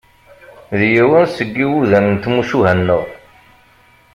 D yiwen seg iwudam n tmucuha-nneɣ.